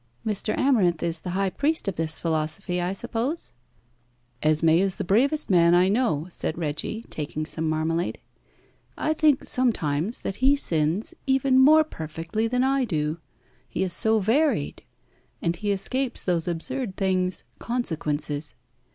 "Mr. Amarinth is the high priest of this philosophy, I suppose?" "Esmé is the bravest man I know," said Reggie, taking some marmalade. "I think sometimes that he sins even more perfectly than I do. He is so varied. And he escapes those absurd things, consequences.